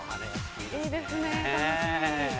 いいですね楽しみ。